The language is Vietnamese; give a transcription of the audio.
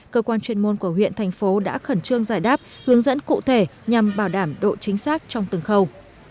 cơ quan chuyên môn của huyện thành phố đã khẩn trương giải đáp hướng dẫn cụ thể nhằm bảo đảm độ chính xác trong từng khâu